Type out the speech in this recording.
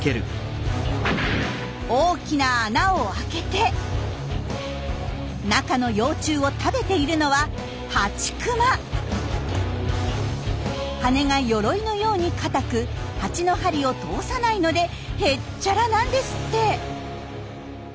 大きな穴を開けて中の幼虫を食べているのは羽が鎧のように硬くハチの針を通さないのでへっちゃらなんですって！